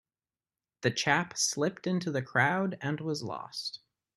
The chap slipped into the crowd and was lost.